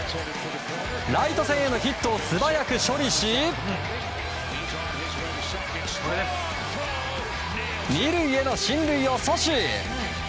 ライト線へのヒットを素早く処理し２塁への進塁を阻止。